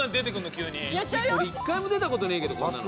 俺１回も出たことねえけどこんなの。